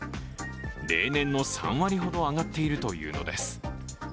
例年の３割ほど上がっているというのです。